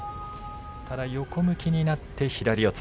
ただ、横向きになって左四つ。